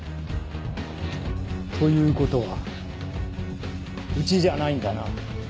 ということはうちじゃないんだな？